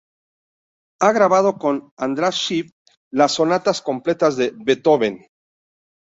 Ha grabado con András Schiff las sonatas completas de Beethoven.